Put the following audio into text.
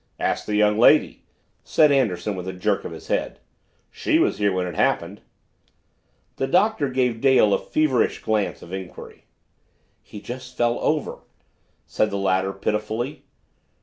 "Ask the young lady," said Anderson, with a jerk of his head. "She was here when it happened." The Doctor gave Dale a feverish glance of inquiry. "He just fell over," said the latter pitifully.